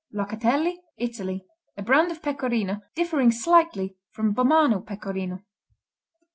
Locatelli Italy A brand of Pecorino differing slightly from Bomano Pecorino.